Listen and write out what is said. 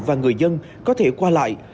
và người dân có thể qua lại